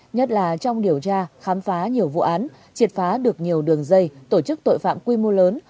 nhất là trong điều tra khám phá nhiều vụ án triệt phá được nhiều đường dây tổ chức tội phạm quy mô lớn